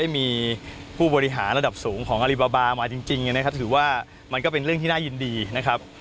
มีผู้บริหารระดับสูงของอลิบาบามาจริงนะครับถือว่ามันก็เป็นเรื่องที่น่ายินดีนะครับ